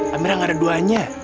amira nggak ada duanya